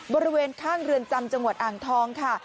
บริเวณข้างเรือนจำจังหวัดอ่างทองค่ะ